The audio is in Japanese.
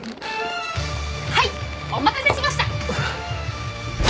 はいお待たせしました！